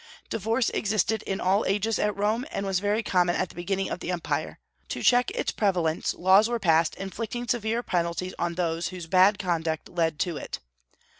Divorce existed in all ages at Rome, and was very common at the beginning of the empire; to check its prevalence, laws were passed inflicting severe penalties on those whose bad conduct led to it.